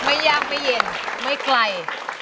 ไม่ยากไม่เย็นไม่ไกล